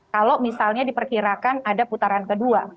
kalau misalnya diperkirakan ada putaran kedua